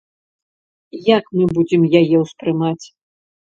Як мы будзем яе ўспрымаць?